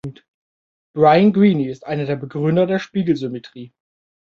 Brian Greene ist einer der Begründer der Spiegelsymmetrie.